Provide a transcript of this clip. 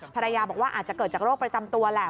ภรรยาบอกว่าอาจจะเกิดจากโรคประจำตัวแหละ